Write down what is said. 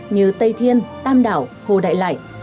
như tây thiên tam đảo hồ đại lại